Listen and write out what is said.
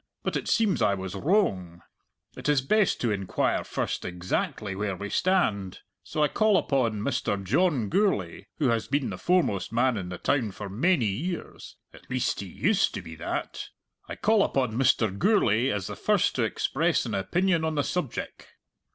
But it seems I was wroang. It is best to inquire first exactly where we stand. So I call upon Mr. John Gourlay, who has been the foremost man in the town for mainy years at least he used to be that I call upon Mr. Gourlay as the first to express an opinion on the subjeck."